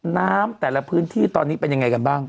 แต่ละพื้นที่ตอนนี้เป็นยังไงกันบ้าง